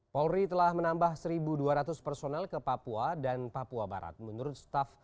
polri telah menambah satu dua ratus personel ke papua dan papua barat menurut staff